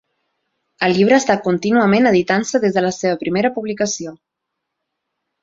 El llibre ha estat contínuament editant-se des de la seva primera publicació.